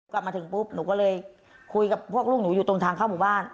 กลับมาถึงปุ๊บหนูก็เลยคุยกับพวกลูกหนูอยู่ตรงทางเข้าหมู่บ้าน